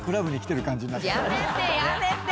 やめてやめて。